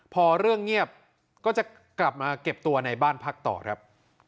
พอเรื่องเงียบก็จะกลับมาเก็บตัวในบ้านพักต่อครับ